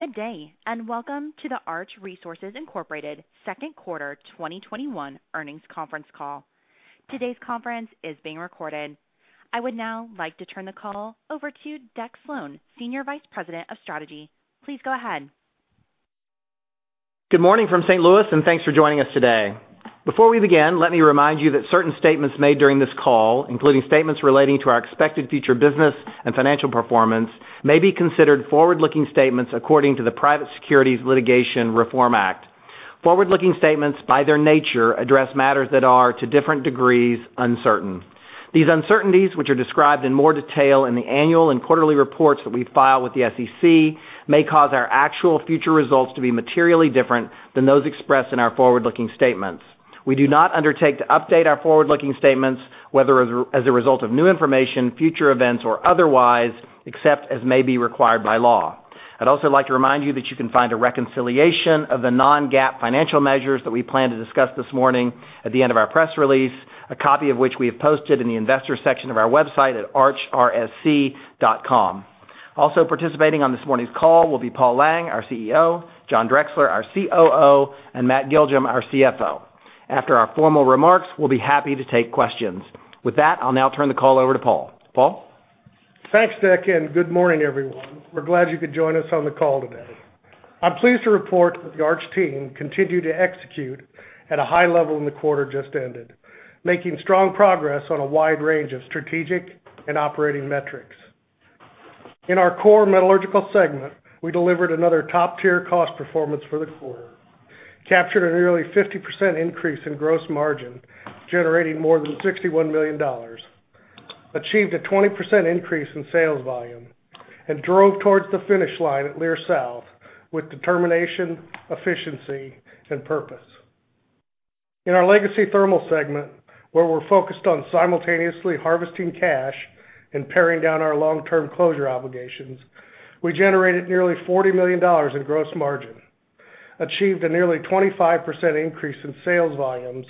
Good day. Welcome to the Arch Resources, Inc. second quarter 2021 earnings conference call. Today's conference is being recorded. I would now like to turn the call over to Deck Slone, Senior Vice President of Strategy. Please go ahead. Good morning from St. Louis. Thanks for joining us today. Before we begin, let me remind you that certain statements made during this call, including statements relating to our expected future business and financial performance, may be considered forward-looking statements according to the Private Securities Litigation Reform Act. Forward-looking statements, by their nature, address matters that are, to different degrees, uncertain. These uncertainties, which are described in more detail in the annual and quarterly reports that we file with the SEC, may cause our actual future results to be materially different than those expressed in our forward-looking statements. We do not undertake to update our forward-looking statements, whether as a result of new information, future events, or otherwise, except as may be required by law. I'd also like to remind you that you can find a reconciliation of the non-GAAP financial measures that we plan to discuss this morning at the end of our press release, a copy of which we have posted in the Investors section of our website at archrsc.com. Also participating on this morning's call will be Paul Lang, our CEO, John Drexler, our COO, and Matt Giljum, our CFO. After our formal remarks, we'll be happy to take questions. With that, I'll now turn the call over to Paul. Paul? Thanks, Deck, good morning, everyone. We're glad you could join us on the call today. I'm pleased to report that the Arch team continued to execute at a high level in the quarter just ended, making strong progress on a wide range of strategic and operating metrics. In our core metallurgical segment, we delivered another top-tier cost performance for the quarter, captured a nearly 50% increase in gross margin, generating more than $61 million, achieved a 20% increase in sales volume, and drove towards the finish line at Leer South with determination, efficiency, and purpose. In our legacy thermal segment, where we're focused on simultaneously harvesting cash and paring down our long-term closure obligations, we generated nearly $40 million in gross margin, achieved a nearly 25% increase in sales volumes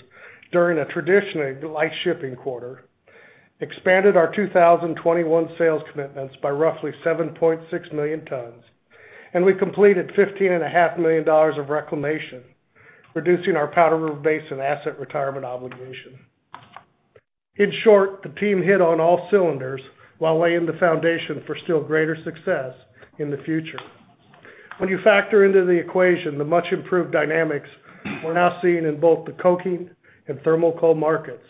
during a traditionally light shipping quarter, expanded our 2021 sales commitments by roughly 7.6 million tons, and we completed $15.5 million of reclamation, reducing our Powder River Basin asset retirement obligation. In short, the team hit on all cylinders while laying the foundation for still greater success in the future. When you factor into the equation the much-improved dynamics we're now seeing in both the coking and thermal coal markets,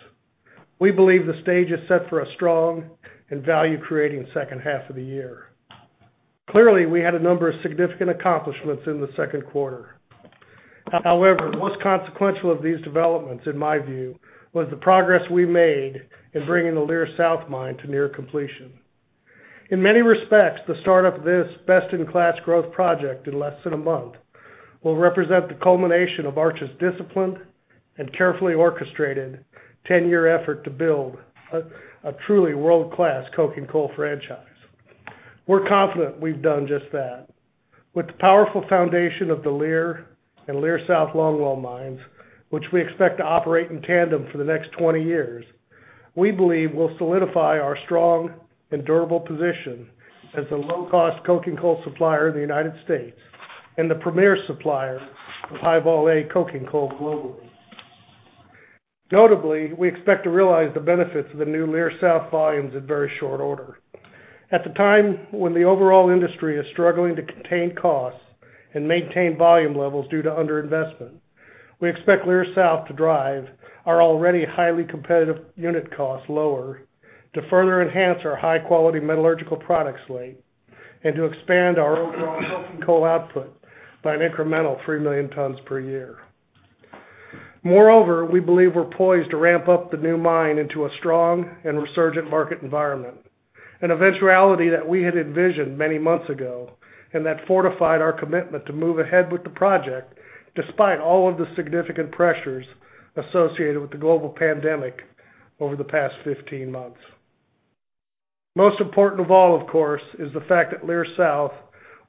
we believe the stage is set for a strong and value-creating second half of the year. Clearly, we had a number of significant accomplishments in the second quarter. However, the most consequential of these developments, in my view, was the progress we made in bringing the Leer South mine to near completion. In many respects, the start of this best-in-class growth project in less than a month will represent the culmination of Arch's disciplined and carefully orchestrated 10-year effort to build a truly world-class coking coal franchise. We're confident we've done just that. With the powerful foundation of the Leer and Leer South longwall mines, which we expect to operate in tandem for the next 20 years, we believe we'll solidify our strong and durable position as the low-cost coking coal supplier in the United States and the premier supplier of High-Vol A coking coal globally. Notably, we expect to realize the benefits of the new Leer South volumes in very short order. At the time when the overall industry is struggling to contain costs and maintain volume levels due to underinvestment, we expect Leer South to drive our already highly competitive unit cost lower to further enhance our high-quality metallurgical product slate and to expand our overall coking coal output by an incremental 3 million tons per year. Moreover, we believe we're poised to ramp up the new mine into a strong and resurgent market environment, an eventuality that we had envisioned many months ago and that fortified our commitment to move ahead with the project despite all of the significant pressures associated with the global pandemic over the past 15 months. Most important of all, of course, is the fact that Leer South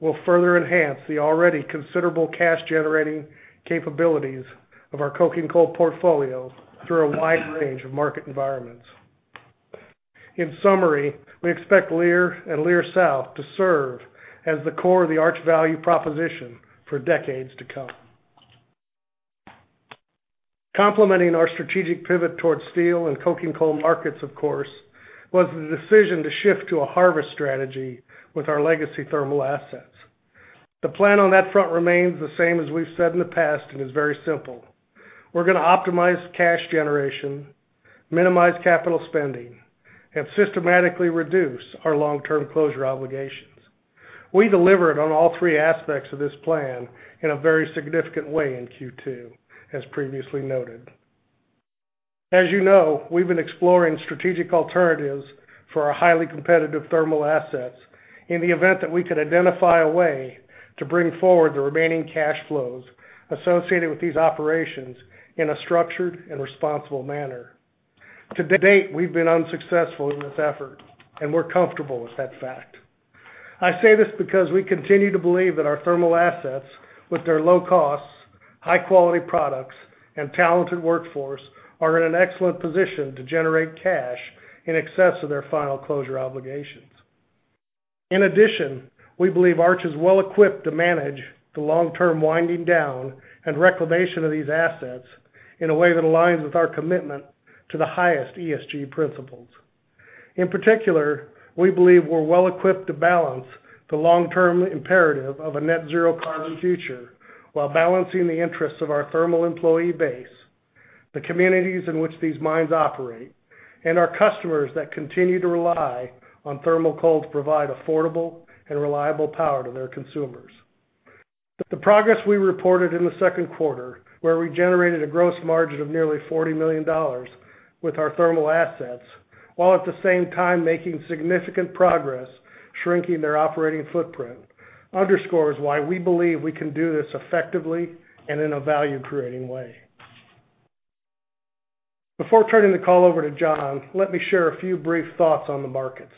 will further enhance the already considerable cash-generating capabilities of our coking coal portfolio through a wide range of market environments. In summary, we expect Leer and Leer South to serve as the core of the Arch value proposition for decades to come. Complementing our strategic pivot towards steel and coking coal markets, of course, was the decision to shift to a harvest strategy with our legacy thermal assets. The plan on that front remains the same as we've said in the past and is very simple. We're gonna optimize cash generation, minimize capital spending, and systematically reduce our long-term closure obligations. We delivered on all three aspects of this plan in a very significant way in Q2, as previously noted. As you know, we've been exploring strategic alternatives for our highly competitive thermal assets in the event that we could identify a way to bring forward the remaining cash flows associated with these operations in a structured and responsible manner. To date, we've been unsuccessful in this effort, and we're comfortable with that fact. I say this because we continue to believe that our thermal assets, with their low costs, high-quality products and talented workforce are in an excellent position to generate cash in excess of their final closure obligations. In addition, we believe Arch is well-equipped to manage the long-term winding down and reclamation of these assets in a way that aligns with our commitment to the highest ESG principles. In particular, we believe we're well-equipped to balance the long-term imperative of a net zero carbon future while balancing the interests of our thermal employee base, the communities in which these mines operate, and our customers that continue to rely on thermal coal to provide affordable and reliable power to their consumers. The progress we reported in the second quarter, where we generated a gross margin of nearly $40 million with our thermal assets, while at the same time making significant progress shrinking their operating footprint, underscores why we believe we can do this effectively and in a value-creating way. Before turning the call over to John, let me share a few brief thoughts on the markets.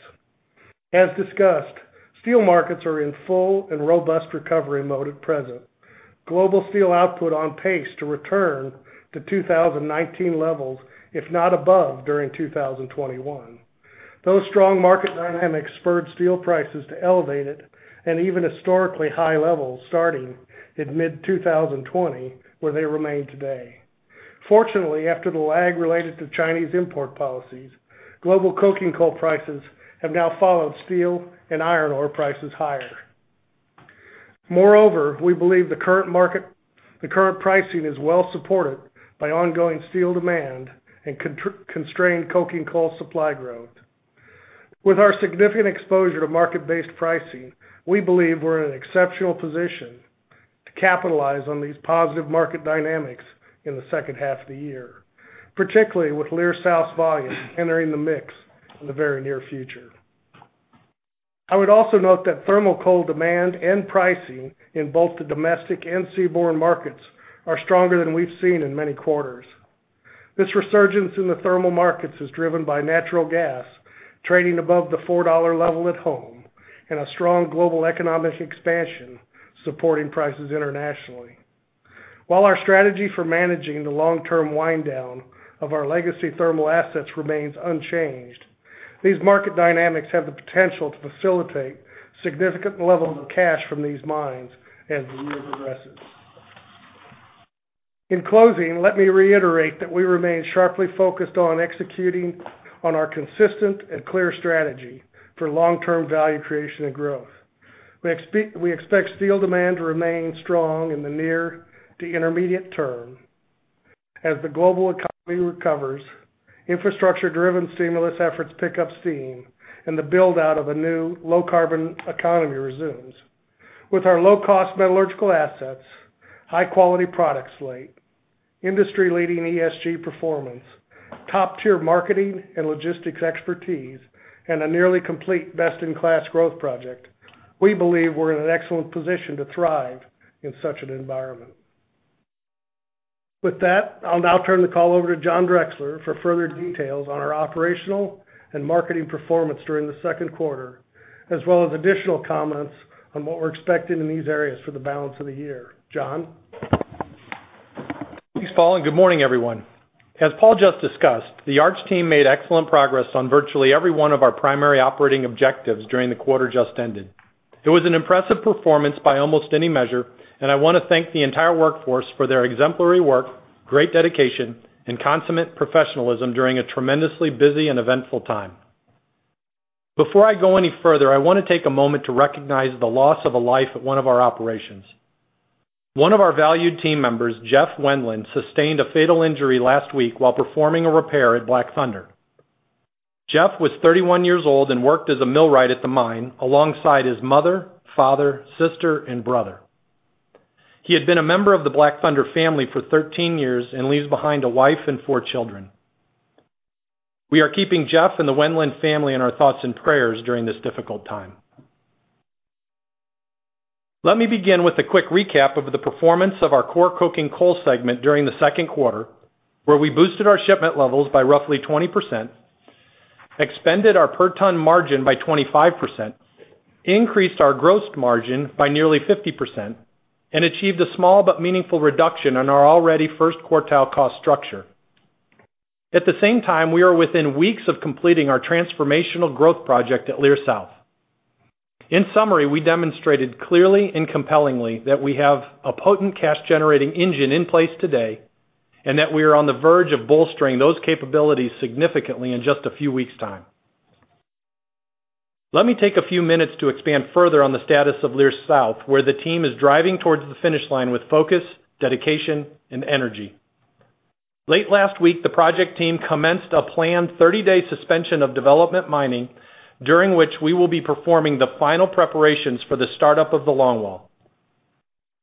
As discussed, steel markets are in full and robust recovery mode at present. Global steel output on pace to return to 2019 levels, if not above, during 2021. Those strong market dynamics spurred steel prices to elevated and even historically high levels starting in mid-2020, where they remain today. Fortunately, after the lag related to Chinese import policies, global coking coal prices have now followed steel and iron ore prices higher. Moreover, we believe the current pricing is well supported by ongoing steel demand and constrained coking coal supply growth. With our significant exposure to market-based pricing, we believe we're in an exceptional position to capitalize on these positive market dynamics in the second half of the year, particularly with Leer South's volume entering the mix in the very near future. I would also note that thermal coal demand and pricing in both the domestic and seaborne markets are stronger than we've seen in many quarters. This resurgence in the thermal markets is driven by natural gas trading above the $4 level at home, and a strong global economic expansion supporting prices internationally. While our strategy for managing the long-term wind down of our legacy thermal assets remains unchanged, these market dynamics have the potential to facilitate significant levels of cash from these mines as the year progresses. In closing, let me reiterate that we remain sharply focused on executing on our consistent and clear strategy for long-term value creation and growth. We expect steel demand to remain strong in the near to intermediate term as the global economy recovers, infrastructure-driven stimulus efforts pick up steam, and the build-out of a new low-carbon economy resumes. With our low-cost metallurgical assets, high-quality product slate, industry-leading ESG performance, top-tier marketing and logistics expertise, and a nearly complete best-in-class growth project, we believe we're in an excellent position to thrive in such an environment. With that, I'll now turn the call over to John Drexler for further details on our operational and marketing performance during the second quarter, as well as additional comments on what we're expecting in these areas for the balance of the year. John? Thanks, Paul, and good morning, everyone. As Paul just discussed, the Arch team made excellent progress on virtually every one of our primary operating objectives during the quarter just ended. It was an impressive performance by almost any measure, and I want to thank the entire workforce for their exemplary work, great dedication, and consummate professionalism during a tremendously busy and eventful time. Before I go any further, I want to take a moment to recognize the loss of a life at one of our operations. One of our valued team members, Jeff Wendland, sustained a fatal injury last week while performing a repair at Black Thunder. Jeff was 31 years old and worked as a millwright at the mine alongside his mother, father, sister, and brother. He had been a member of the Black Thunder family for 13 years and leaves behind a wife and four children. We are keeping Jeff and the Wendland family in our thoughts and prayers during this difficult time. Let me begin with a quick recap of the performance of our core coking coal segment during the second quarter, where we boosted our shipment levels by roughly 20%, expanded our per-ton margin by 25%, increased our gross margin by nearly 50%, and achieved a small but meaningful reduction on our already first quartile cost structure. At the same time, we are within weeks of completing our transformational growth project at Leer South. In summary, we demonstrated clearly and compellingly that we have a potent cash-generating engine in place today, and that we are on the verge of bolstering those capabilities significantly in just a few weeks' time. Let me take a few minutes to expand further on the status of Leer South, where the team is driving towards the finish line with focus, dedication, and energy. Late last week, the project team commenced a planned 30-day suspension of development mining, during which we will be performing the final preparations for the start-up of the longwall.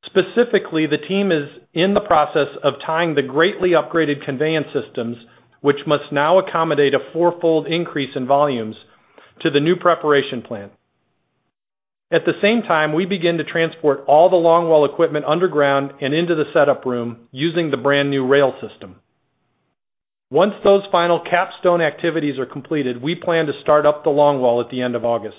Specifically, the team is in the process of tying the greatly upgraded conveyance systems, which must now accommodate a four-fold increase in volumes to the new preparation plant. At the same time, we begin to transport all the longwall equipment underground and into the setup room using the brand-new rail system. Once those final capstone activities are completed, we plan to start up the longwall at the end of August.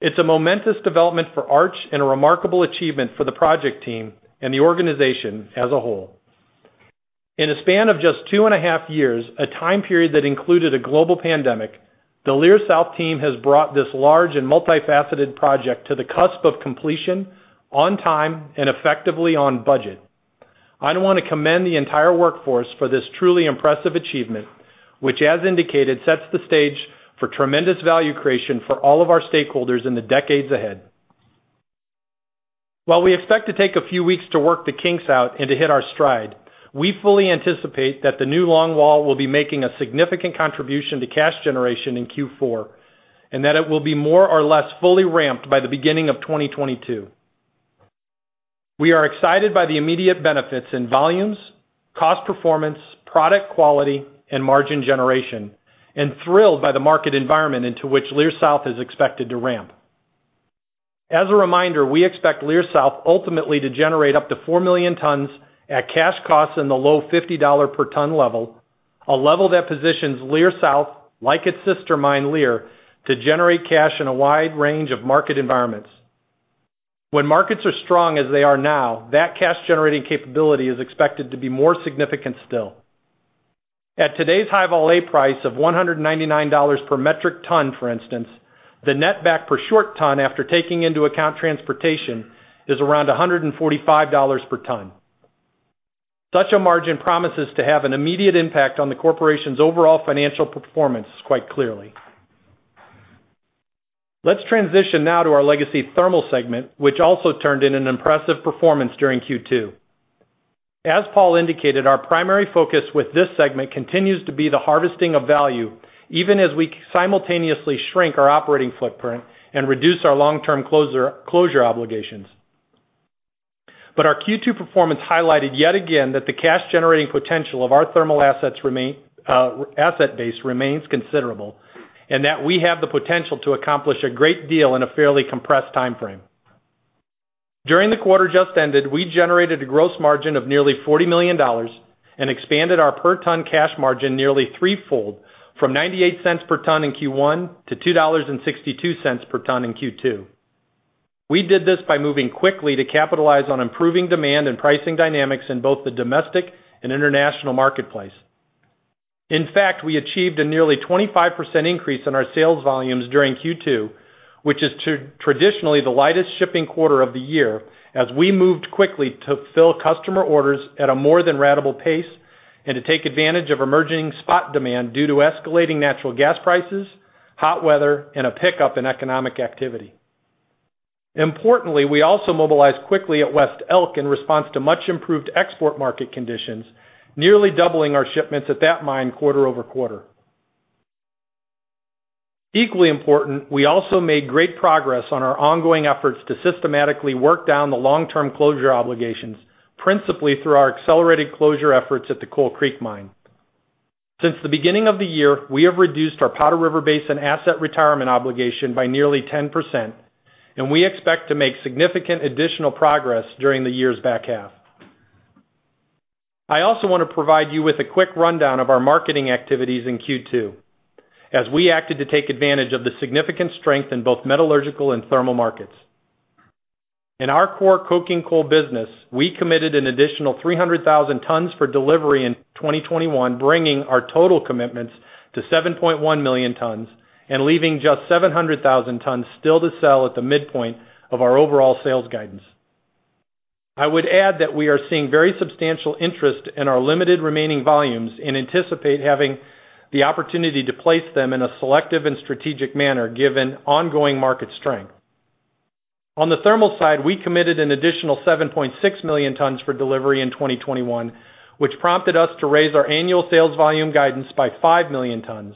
It's a momentous development for Arch and a remarkable achievement for the project team and the organization as a whole. In a span of just two and a half years, a time period that included a global pandemic, the Leer South team has brought this large and multifaceted project to the cusp of completion on time and effectively on budget. I want to commend the entire workforce for this truly impressive achievement, which as indicated, sets the stage for tremendous value creation for all of our stakeholders in the decades ahead. While we expect to take a few weeks to work the kinks out and to hit our stride, we fully anticipate that the new long wall will be making a significant contribution to cash generation in Q4, and that it will be more or less fully ramped by the beginning of 2022. We are excited by the immediate benefits in volumes, cost performance, product quality, and margin generation, and thrilled by the market environment into which Leer South is expected to ramp. As a reminder, we expect Leer South ultimately to generate up to 4 million tons at cash costs in the low $50/ton level, a level that positions Leer South, like its sister mine, Leer, to generate cash in a wide range of market environments. When markets are strong as they are now, that cash-generating capability is expected to be more significant still. At today's High-Vol A price of $199/metric ton, for instance, the net back per short ton after taking into account transportation is around $145/ton. Such a margin promises to have an immediate impact on the corporation's overall financial performance quite clearly. Let's transition now to our legacy thermal segment, which also turned in an impressive performance during Q2. As Paul indicated, our primary focus with this segment continues to be the harvesting of value, even as we simultaneously shrink our operating footprint and reduce our long-term closure obligations. Our Q2 performance highlighted yet again that the cash-generating potential of our thermal asset base remains considerable, and that we have the potential to accomplish a great deal in a fairly compressed timeframe. During the quarter just ended, we generated a gross margin of nearly $40 million and expanded our per ton cash margin nearly three-fold from $0.98/ton in Q1 to $2.62/ton in Q2. We did this by moving quickly to capitalize on improving demand and pricing dynamics in both the domestic and international marketplace. In fact, we achieved a nearly 25% increase in our sales volumes during Q2, which is traditionally the lightest shipping quarter of the year, as we moved quickly to fill customer orders at a more than ratable pace and to take advantage of emerging spot demand due to escalating natural gas prices, hot weather, and a pickup in economic activity. Importantly, we also mobilized quickly at West Elk in response to much improved export market conditions, nearly doubling our shipments at that mine quarter-over-quarter. Equally important, we also made great progress on our ongoing efforts to systematically work down the long-term closure obligations, principally through our accelerated closure efforts at the Coal Creek mine. Since the beginning of the year, we have reduced our Powder River Basin asset retirement obligation by nearly 10%, and we expect to make significant additional progress during the year's back half. I also want to provide you with a quick rundown of our marketing activities in Q2, as we acted to take advantage of the significant strength in both metallurgical and thermal markets. In our core coking coal business, we committed an additional 300,000 tons for delivery in 2021, bringing our total commitments to 7.1 million tons and leaving just 700,000 tons still to sell at the midpoint of our overall sales guidance. I would add that we are seeing very substantial interest in our limited remaining volumes and anticipate having the opportunity to place them in a selective and strategic manner, given ongoing market strength. On the thermal side, we committed an additional 7.6 million tons for delivery in 2021, which prompted us to raise our annual sales volume guidance by 5 million tons.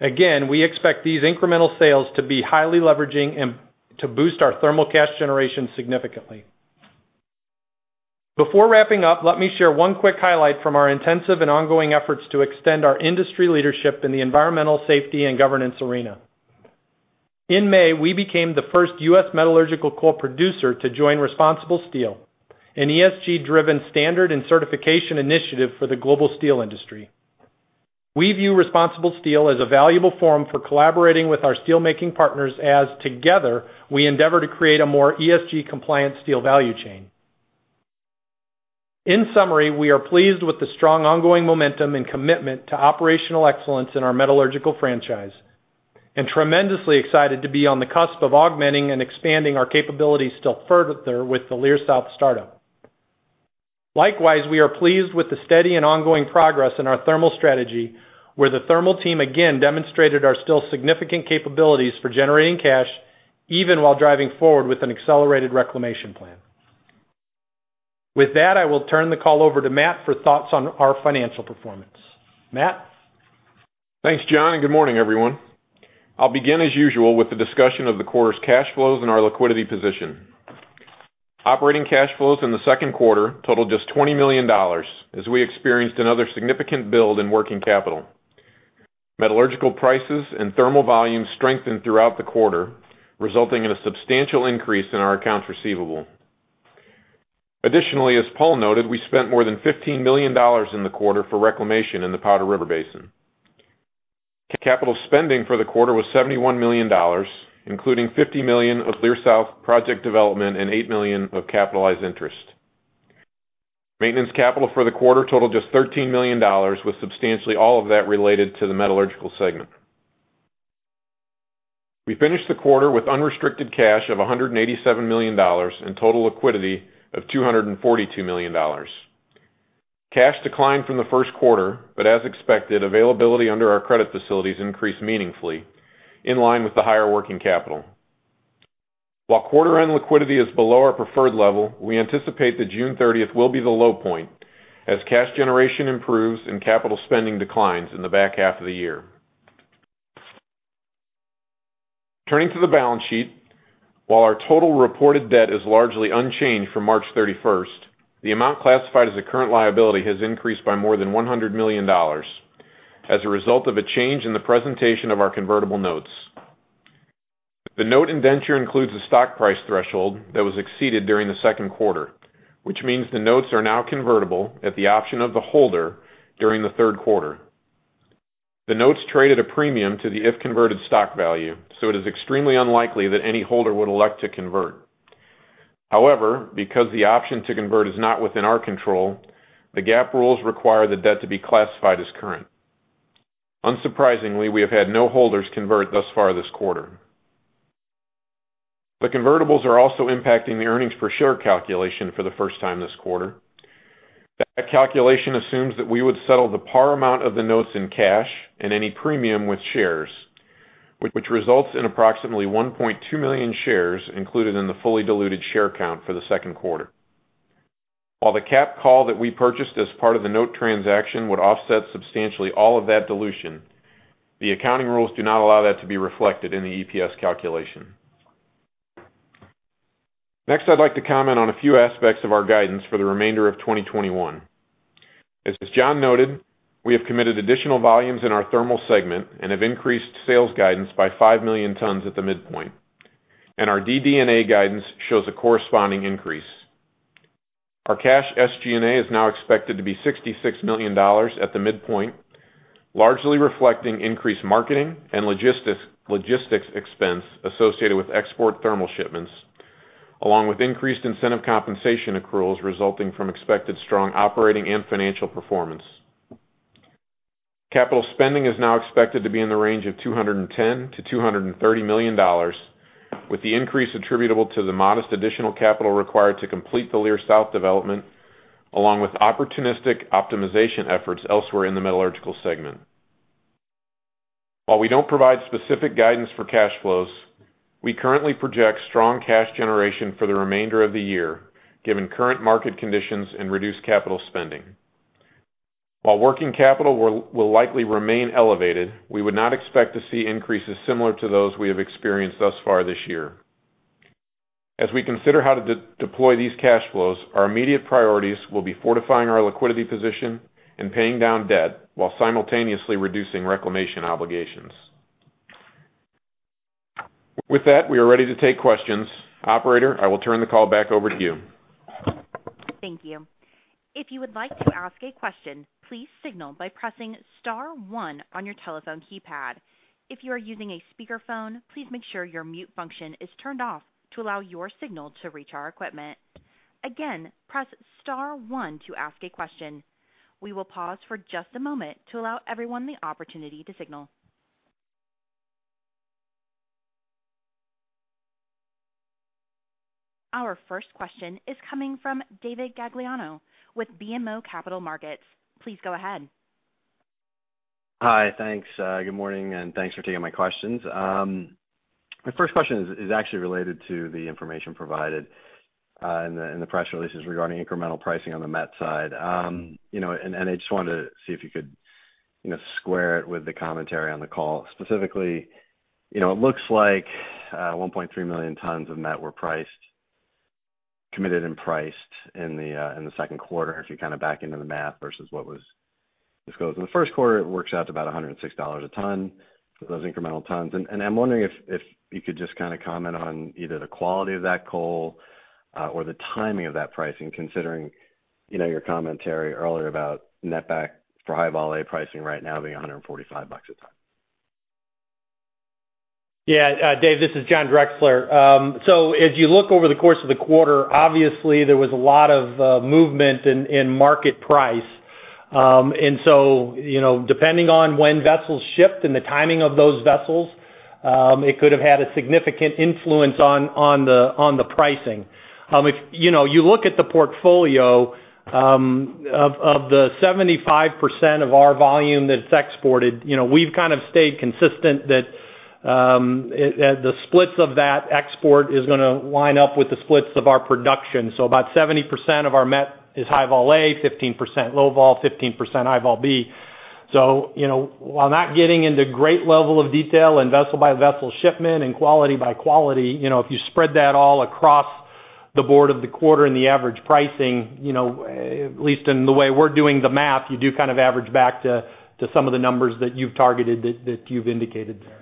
Again, we expect these incremental sales to be highly leveraging and to boost our thermal cash generation significantly. Before wrapping up, let me share one quick highlight from our intensive and ongoing efforts to extend our industry leadership in the environmental safety and governance arena. In May, we became the first U.S. metallurgical coal producer to join ResponsibleSteel, an ESG-driven standard and certification initiative for the global steel industry. We view ResponsibleSteel as a valuable forum for collaborating with our steel making partners as together, we endeavor to create a more ESG-compliant steel value chain. In summary, we are pleased with the strong ongoing momentum and commitment to operational excellence in our metallurgical franchise, and tremendously excited to be on the cusp of augmenting and expanding our capabilities still further with the Leer South startup. Likewise, we are pleased with the steady and ongoing progress in our thermal strategy, where the thermal team again demonstrated our still significant capabilities for generating cash even while driving forward with an accelerated reclamation plan. With that, I will turn the call over to Matt for thoughts on our financial performance. Matt? Thanks, John, good morning, everyone. I'll begin as usual with a discussion of the quarter's cash flows and our liquidity position. Operating cash flows in the second quarter totaled just $20 million as we experienced another significant build in working capital. Metallurgical prices and thermal volumes strengthened throughout the quarter, resulting in a substantial increase in our accounts receivable. Additionally, as Paul noted, we spent more than $15 million in the quarter for reclamation in the Powder River Basin. Capital spending for the quarter was $71 million, including $50 million of Leer South project development and $8 million of capitalized interest. Maintenance capital for the quarter totaled just $13 million, with substantially all of that related to the metallurgical segment. We finished the quarter with unrestricted cash of $187 million and total liquidity of $242 million. Cash declined from the first quarter, but as expected, availability under our credit facilities increased meaningfully, in line with the higher working capital. While quarter-end liquidity is below our preferred level, we anticipate that June 30th will be the low point as cash generation improves and capital spending declines in the back half of the year. Turning to the balance sheet. While our total reported debt is largely unchanged from March 31st, the amount classified as a current liability has increased by more than $100 million as a result of a change in the presentation of our convertible notes. The note indenture includes a stock price threshold that was exceeded during the second quarter, which means the notes are now convertible at the option of the holder during the third quarter. The notes trade at a premium to the if converted stock value, so it is extremely unlikely that any holder would elect to convert. However, because the option to convert is not within our control, the GAAP rules require the debt to be classified as current. Unsurprisingly, we have had no holders convert thus far this quarter. The convertibles are also impacting the earnings per share calculation for the first time this quarter. That calculation assumes that we would settle the par amount of the notes in cash and any premium with shares, which results in approximately 1.2 million shares included in the fully diluted share count for the second quarter. While the capped call that we purchased as part of the note transaction would offset substantially all of that dilution, the accounting rules do not allow that to be reflected in the EPS calculation. Next, I'd like to comment on a few aspects of our guidance for the remainder of 2021. As John noted, we have committed additional volumes in our thermal segment and have increased sales guidance by 5 million tons at the midpoint, and our DD&A guidance shows a corresponding increase. Our cash SG&A is now expected to be $66 million at the midpoint, largely reflecting increased marketing and logistics expense associated with export thermal shipments, along with increased incentive compensation accruals resulting from expected strong operating and financial performance. Capital spending is now expected to be in the range of $210 million-$230 million, with the increase attributable to the modest additional capital required to complete the Leer South development, along with opportunistic optimization efforts elsewhere in the metallurgical segment. While we don't provide specific guidance for cash flows, we currently project strong cash generation for the remainder of the year, given current market conditions and reduced capital spending. While working capital will likely remain elevated, we would not expect to see increases similar to those we have experienced thus far this year. As we consider how to deploy these cash flows, our immediate priorities will be fortifying our liquidity position and paying down debt while simultaneously reducing reclamation obligations. With that, we are ready to take questions. Operator, I will turn the call back over to you. Thank you. If you would like to ask a question, please signal by pressing star one on your telephone keypad. If you are using a speakerphone, please make sure your mute function is turned off to allow your signal to reach our equipment. Again, press star one to ask a question. We will pause for just a moment to allow everyone the opportunity to signal. Our first question is coming from David Gagliano with BMO Capital Markets. Please go ahead. Hi. Thanks. Good morning, and thanks for taking my questions. My first question is actually related to the information provided in the press releases regarding incremental pricing on the met side. I just wanted to see if you could square it with the commentary on the call. Specifically, it looks like 1.3 million tons of met were committed and priced in the second quarter. If you back into the math versus what was disclosed in the first quarter, it works out to about $106/ton for those incremental tons. I'm wondering if you could just comment on either the quality of that coal or the timing of that pricing, considering your commentary earlier about net back for High-Vol A pricing right now being $145/ton. Yeah. Dave, this is John Drexler. As you look over the course of the quarter, obviously there was a lot of movement in market price. Depending on when vessels shipped and the timing of those vessels, it could have had a significant influence on the pricing. If you look at the portfolio, of the 75% of our volume that's exported, we've kind of stayed consistent that the splits of that export is going to line up with the splits of our production. About 70% of our met is High-Vol A, 15% Low-Vol, 15% High-Vol B. While not getting into great level of detail and vessel-by-vessel shipment and quality by quality, if you spread that all across the board of the quarter and the average pricing, at least in the way we're doing the math, you do kind of average back to some of the numbers that you've targeted, that you've indicated there.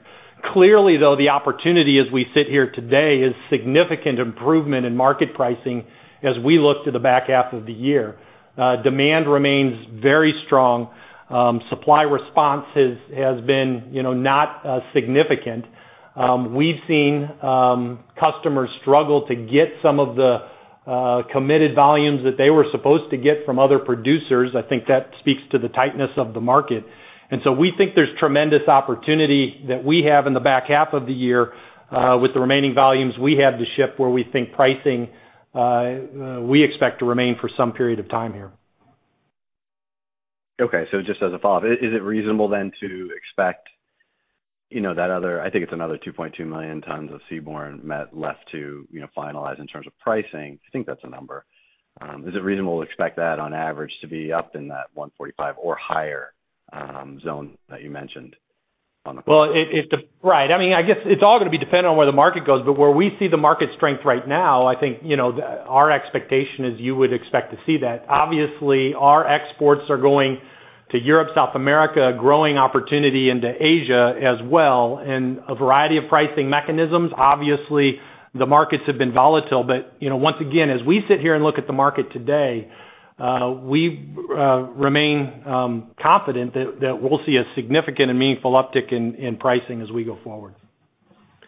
Clearly though, the opportunity as we sit here today is significant improvement in market pricing as we look to the back half of the year. Demand remains very strong. Supply response has been not significant. We've seen customers struggle to get some of the committed volumes that they were supposed to get from other producers. I think that speaks to the tightness of the market. We think there's tremendous opportunity that we have in the back half of the year with the remaining volumes we have to ship, where we think pricing, we expect to remain for some period of time here. Okay. Just as a follow-up, is it reasonable then to expect that other, I think it's another 2.2 million tons of seaborne met left to finalize in terms of pricing? I think that's the number. Is it reasonable to expect that on average to be up in that $145 or higher zone that you mentioned on the call? Right. I guess it's all going to be dependent on where the market goes. Where we see the market strength right now, I think, our expectation is you would expect to see that. Obviously, our exports are going to Europe, South America, growing opportunity into Asia as well, a variety of pricing mechanisms. Obviously, the markets have been volatile. Once again, as we sit here and look at the market today, we remain confident that we'll see a significant and meaningful uptick in pricing as we go forward.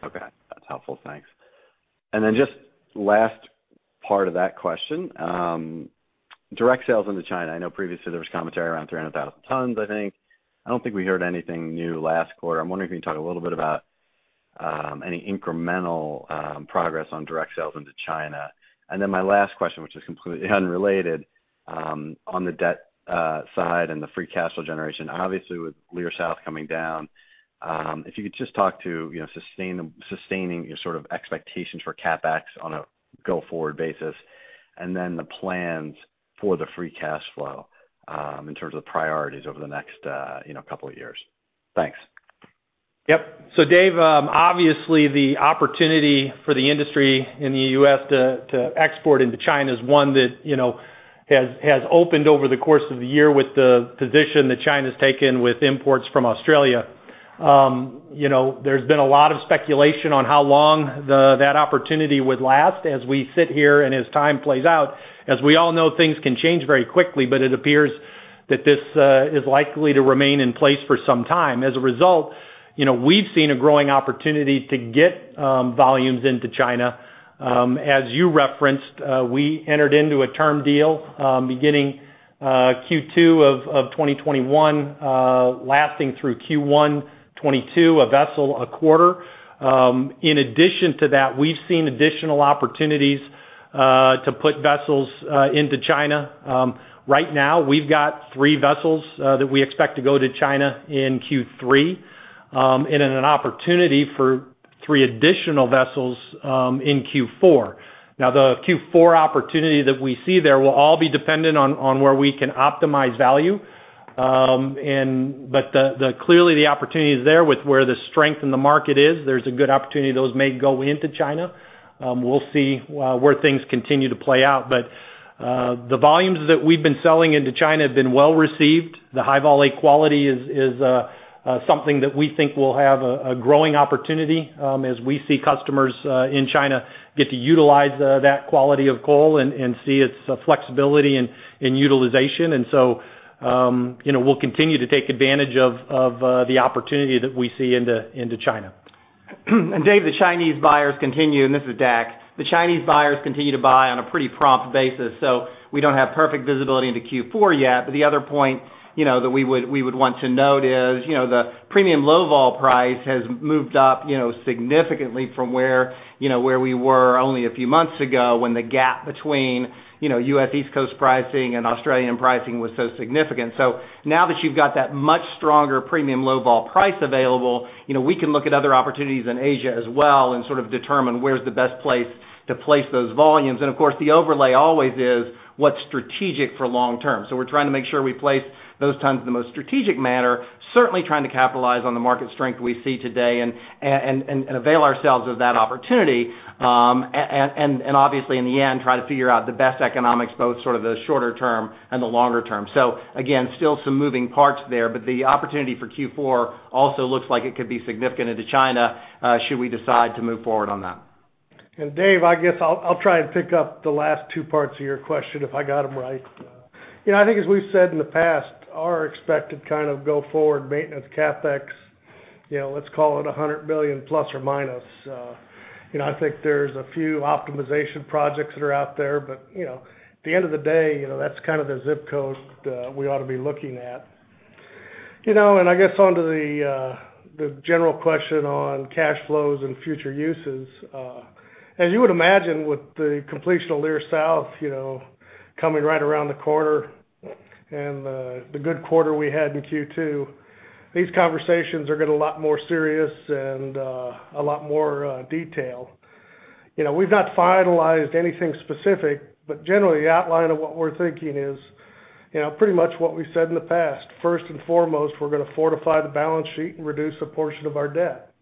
Okay. That's helpful. Thanks. Just last part of that question, direct sales into China. I know previously there was commentary around 300,000 tons, I think. I don't think we heard anything new last quarter. I'm wondering if you can talk a little bit about any incremental progress on direct sales into China. My last question, which is completely unrelated, on the debt side and the free cash flow generation, obviously with Leer South coming down, if you could just talk to sustaining your sort of expectations for CapEx on a go-forward basis, and then the plans for the free cash flow, in terms of priorities over the next couple of years. Thanks. Yep. Dave, obviously the opportunity for the industry in the U.S. to export into China is one that has opened over the course of the year with the position that China's taken with imports from Australia. There's been a lot of speculation on how long that opportunity would last. As we sit here and as time plays out, as we all know, things can change very quickly, but it appears that this is likely to remain in place for some time. As a result, we've seen a growing opportunity to get volumes into China. As you referenced, we entered into a term deal beginning Q2 of 2021, lasting through Q1 2022, a vessel a quarter. In addition to that, we've seen additional opportunities to put vessels into China. Right now, we've got three vessels that we expect to go to China in Q3, an opportunity for three additional vessels in Q4. The Q4 opportunity that we see there will all be dependent on where we can optimize value. Clearly the opportunity is there with where the strength in the market is. There's a good opportunity those may go into China. We'll see where things continue to play out. The volumes that we've been selling into China have been well-received. The High-Vol A quality is something that we think will have a growing opportunity as we see customers in China get to utilize that quality of coal and see its flexibility in utilization. We'll continue to take advantage of the opportunity that we see into China. Dave, the Chinese buyers continue, and this is Deck. The Chinese buyers continue to buy on a pretty prompt basis. We don't have perfect visibility into Q4 yet. The other point that we would want to note is, the premium Low-Vol price has moved up significantly from where we were only a few months ago when the gap between U.S. East Coast pricing and Australian pricing was so significant. Now that you've got that much stronger premium Low-Vol price available, we can look at other opportunities in Asia as well and sort of determine where's the best place to place those volumes. Of course, the overlay always is what's strategic for long term. We're trying to make sure we place those tons in the most strategic manner, certainly trying to capitalize on the market strength we see today and avail ourselves of that opportunity. Obviously in the end, try to figure out the best economics, both the shorter term and the longer term. Again, still some moving parts there, but the opportunity for Q4 also looks like it could be significant into China, should we decide to move forward on that. Dave, I guess I'll try and pick up the last two parts of your question if I got them right. I think as we've said in the past, our expected kind of go forward maintenance CapEx, let's call it $±100 million. I think there's a few optimization projects that are out there, but at the end of the day, that's kind of the zip code that we ought to be looking at. I guess onto the general question on cash flows and future uses. As you would imagine with the completion of Leer South coming right around the corner and the good quarter we had in Q2, these conversations are getting a lot more serious and a lot more detailed. We've not finalized anything specific, but generally the outline of what we're thinking is pretty much what we said in the past. First and foremost, we're going to fortify the balance sheet and reduce a portion of our debt.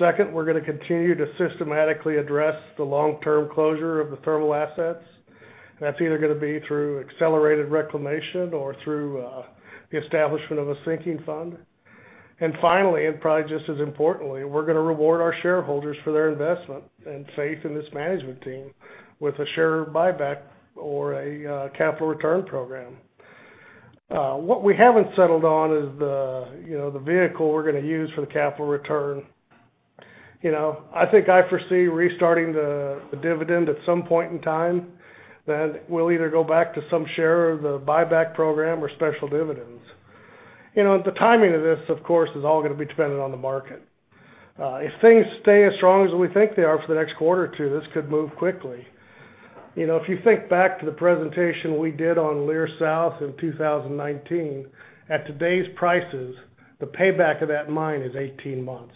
Second, we're going to continue to systematically address the long-term closure of the thermal assets. That's either going to be through accelerated reclamation or through the establishment of a sinking fund. Finally, and probably just as importantly, we're going to reward our shareholders for their investment and faith in this management team with a share buyback or a capital return program. What we haven't settled on is the vehicle we're going to use for the capital return. I think I foresee restarting the dividend at some point in time, then we'll either go back to some share of the buyback program or special dividends. The timing of this, of course, is all going to be dependent on the market. If things stay as strong as we think they are for the next quarter or two, this could move quickly. If you think back to the presentation we did on Leer South in 2019, at today's prices, the payback of that mine is 18 months.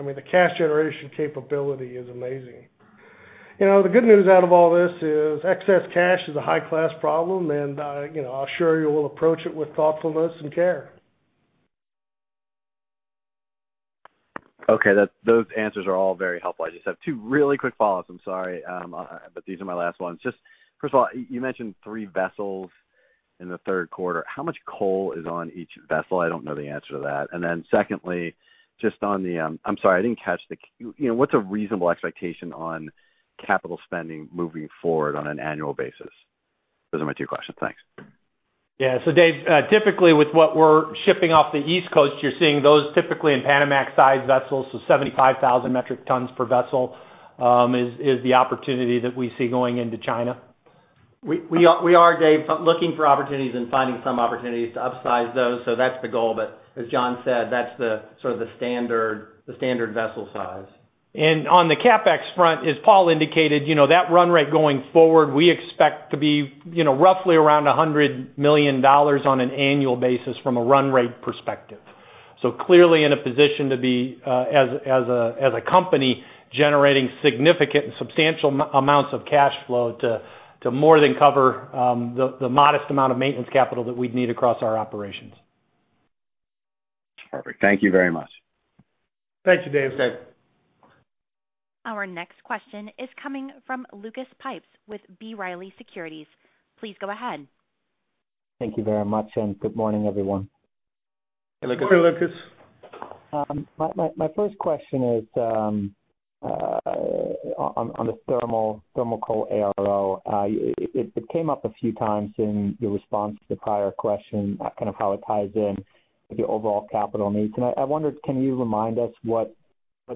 I mean, the cash generation capability is amazing. The good news out of all this is excess cash is a high-class problem, and I assure you we'll approach it with thoughtfulness and care. Okay, those answers are all very helpful. I just have two really quick follow-ups. I'm sorry. These are my last ones. Just first of all, you mentioned three vessels in the third quarter. How much coal is on each vessel? I don't know the answer to that. Secondly, I'm sorry I didn't catch this. What's a reasonable expectation on capital spending moving forward on an annual basis? Those are my two questions. Thanks. Yeah. Dave, typically with what we're shipping off the East Coast, you're seeing those typically in Panamax-sized vessels, so 75,000 metric tons per vessel is the opportunity that we see going into China. We are, Dave, looking for opportunities and finding some opportunities to upsize those. That's the goal. As John said, that's the sort of the standard vessel size. On the CapEx front, as Paul indicated, that run rate going forward, we expect to be roughly around $100 million on an annual basis from a run rate perspective. Clearly in a position to be, as a company, generating significant and substantial amounts of cash flow to more than cover the modest amount of maintenance capital that we'd need across our operations. Perfect. Thank you very much. Thank you, David. Okay. Our next question is coming from Lucas Pipes with B. Riley Securities. Please go ahead. Thank you very much, and good morning, everyone. Hey, Lucas. Good morning, Lucas. My first question is on the thermal coal ARO. It came up a few times in your response to the prior question, kind of how it ties in with your overall capital needs. I wondered, can you remind us what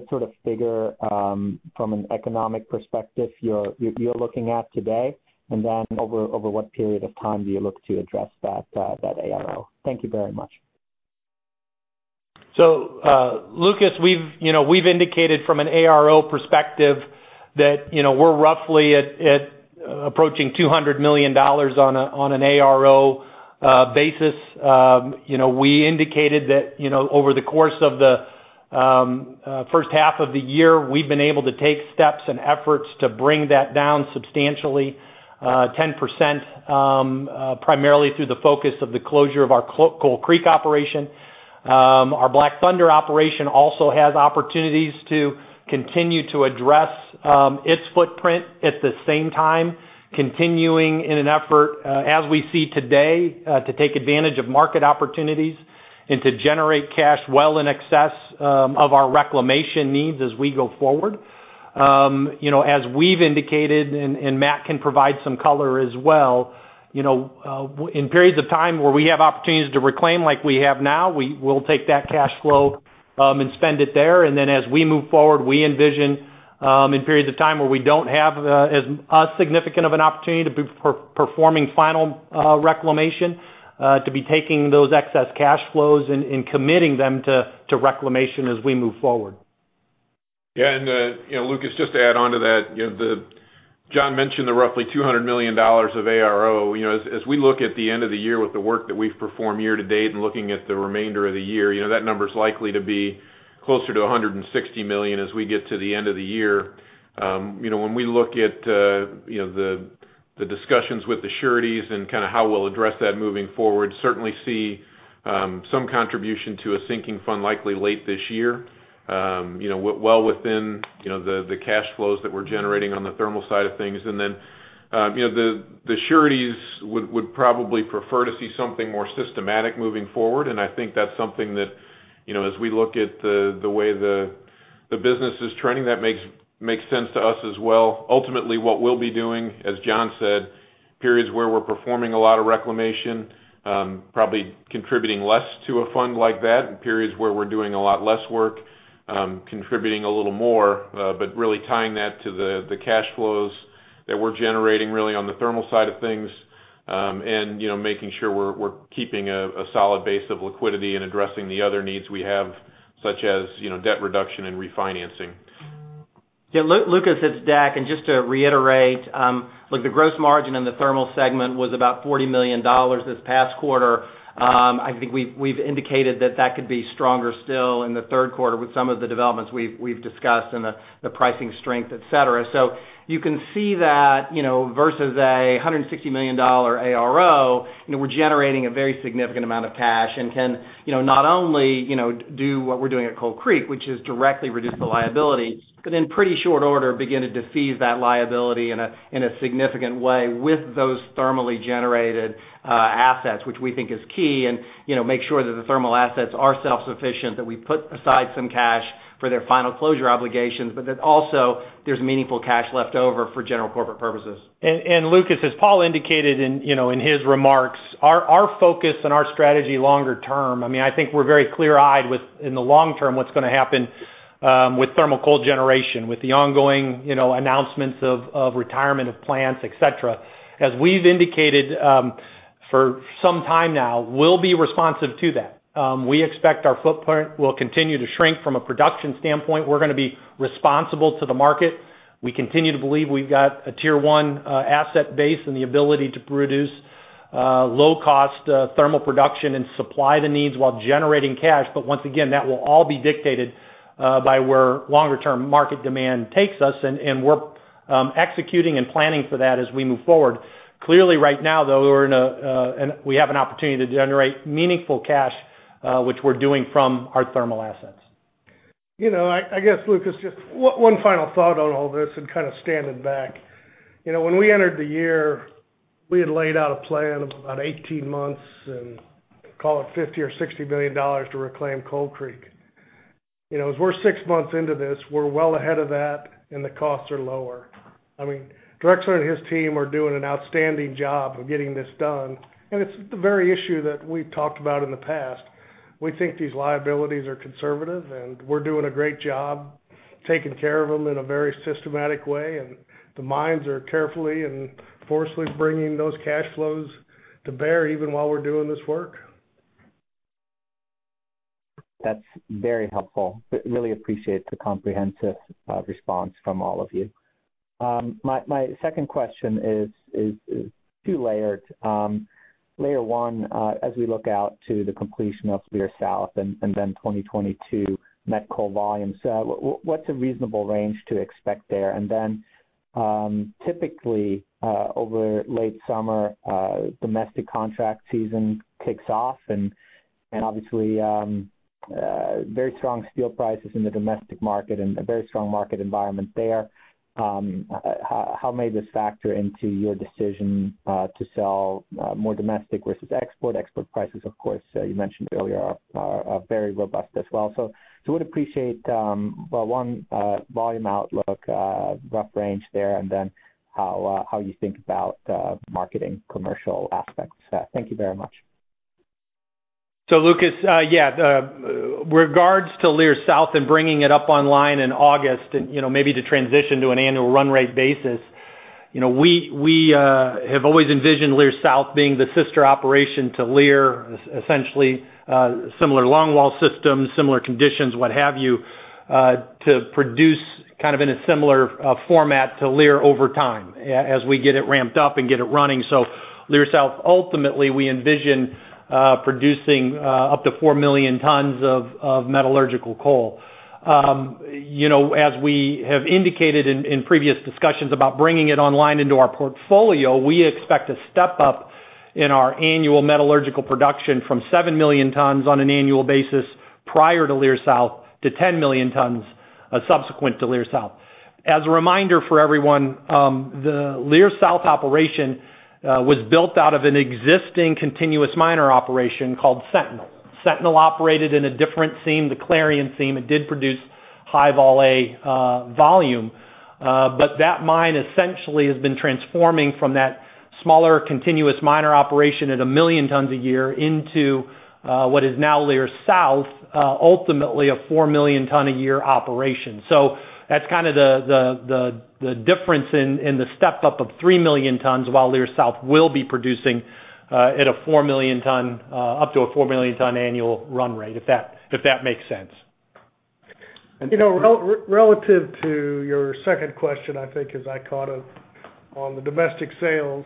sort of figure, from an economic perspective, you're looking at today? Over what period of time do you look to address that ARO? Thank you very much. Lucas, we've indicated from an ARO perspective that we're roughly approaching $200 million on an ARO basis. We indicated that over the course of the first half of the year, we've been able to take steps and efforts to bring that down substantially, 10%, primarily through the focus of the closure of our Coal Creek operation. Our Black Thunder operation also has opportunities to continue to address its footprint at the same time, continuing in an effort, as we see today, to take advantage of market opportunities and to generate cash well in excess of our reclamation needs as we go forward. As we've indicated, and Matt can provide some color as well, in periods of time where we have opportunities to reclaim like we have now, we'll take that cash flow and spend it there. As we move forward, we envision, in periods of time where we don't have as significant of an opportunity to be performing final reclamation, to be taking those excess cash flows and committing them to reclamation as we move forward. Lucas, just to add onto that. John mentioned the roughly $200 million of ARO. As we look at the end of the year with the work that we've performed year to date and looking at the remainder of the year, that number is likely to be closer to $160 million as we get to the end of the year. When we look at the discussions with the sureties and how we'll address that moving forward, certainly see some contribution to a sinking fund likely late this year. Well within the cash flows that we're generating on the thermal side of things. The sureties would probably prefer to see something more systematic moving forward. I think that's something that as we look at the way the business is trending, that makes sense to us as well. Ultimately, what we'll be doing, as John said, periods where we're performing a lot of reclamation, probably contributing less to a fund like that. In periods where we're doing a lot less work, contributing a little more. Really tying that to the cash flows that we're generating really on the thermal side of things. Making sure we're keeping a solid base of liquidity and addressing the other needs we have, such as debt reduction and refinancing. Lucas, it's Deck. Just to reiterate, look, the gross margin in the thermal segment was about $40 million this past quarter. I think we've indicated that that could be stronger still in the third quarter with some of the developments we've discussed and the pricing strength, et cetera. You can see that versus a $160 million ARO, we're generating a very significant amount of cash and can not only do what we're doing at Coal Creek, which is directly reduce the liability, but in pretty short order, begin to decrease that liability in a significant way with those thermally generated assets, which we think is key, and make sure that the thermal assets are self-sufficient, that we put aside some cash for their final closure obligations, but that also there's meaningful cash left over for general corporate purposes. Lucas, as Paul indicated in his remarks, our focus and our strategy longer term, I think we're very clear-eyed with, in the long term, what's going to happen with thermal coal generation, with the ongoing announcements of retirement of plants, et cetera. As we've indicated for some time now, we'll be responsive to that. We expect our footprint will continue to shrink from a production standpoint. We're going to be responsible to the market. We continue to believe we've got a Tier 1 asset base and the ability to produce low-cost thermal production and supply the needs while generating cash. Once again, that will all be dictated by where longer-term market demand takes us, and we're executing and planning for that as we move forward. Clearly, right now, though, we have an opportunity to generate meaningful cash, which we're doing from our thermal assets. I guess, Lucas, just one final thought on all this and kind of standing back. When we entered the year, we had laid out a plan of about 18 months and call it $50 billion or $60 billion to reclaim Coal Creek. As we're six months into this, we're well ahead of that and the costs are lower. Drexler and his team are doing an outstanding job of getting this done, and it's the very issue that we've talked about in the past. We think these liabilities are conservative, and we're doing a great job taking care of them in a very systematic way, and the mines are carefully and forcefully bringing those cash flows to bear even while we're doing this work. That's very helpful. Really appreciate the comprehensive response from all of you. My second question is two-layered. Layer one, as we look out to the completion of Leer South and then 2022 met coal volumes, what's a reasonable range to expect there? Then, typically over late summer, domestic contract season kicks off and obviously very strong steel prices in the domestic market and a very strong market environment there. How may this factor into your decision to sell more domestic versus export? Export prices, of course, you mentioned earlier, are very robust as well. Would appreciate, well, one volume outlook, rough range there, and then how you think about marketing commercial aspects. Thank you very much. Lucas, yeah. Regards to Leer South and bringing it up online in August and maybe to transition to an annual run rate basis. We have always envisioned Leer South being the sister operation to Leer, essentially similar long wall systems, similar conditions, what have you, to produce in a similar format to Leer over time as we get it ramped up and get it running. Leer South, ultimately, we envision producing up to 4 million tons of metallurgical coal. As we have indicated in previous discussions about bringing it online into our portfolio, we expect a step up in our annual metallurgical production from 7 million tons on an annual basis prior to Leer South to 10 million tons subsequent to Leer South. As a reminder for everyone, the Leer South operation was built out of an existing continuous miner operation called Sentinel. Sentinel operated in a different seam, the Clarion seam. It did produce High-Vol A volume. That mine essentially has been transforming from that smaller continuous miner operation at 1 million tons a year into what is now Leer South, ultimately a 4-million-ton a year operation. That's the difference in the step up of 3 million tons while Leer South will be producing up to a 4-million ton annual run rate, if that makes sense. Relative to your second question, I think as I caught on the domestic sales,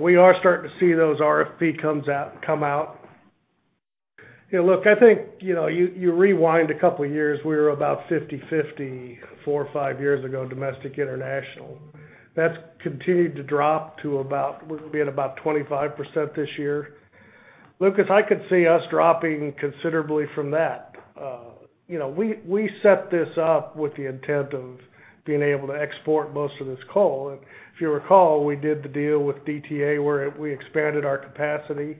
we are starting to see those RFP come out. Look, I think you rewind a couple of years, we were about 50/50 four or five years ago, domestic, international. That's continued to drop to about, we'll be at about 25% this year. Lucas, I could see us dropping considerably from that. We set this up with the intent of being able to export most of this coal. If you recall, we did the deal with DTA where we expanded our capacity,